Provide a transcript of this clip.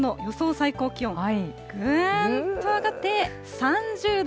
最高気温、ぐーんと上がって３０度。